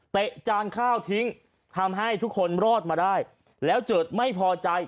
จานข้าวทิ้งทำให้ทุกคนรอดมาได้แล้วเกิดไม่พอใจ